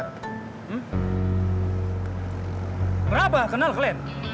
berapa kenal kalian